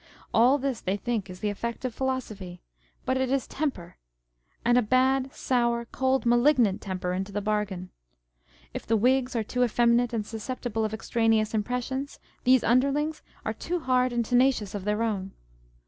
All this they think is the effect of philosophy ; but it is temper, and a bad, sour, cold, malignant temper into the bargain. If the Whigs are too effeminate and susceptible of extraneous impressions, these underlings are too hard and tenacious of their own.